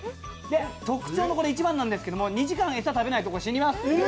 特徴の一番なんですけど２時間、餌を食べないと死にます。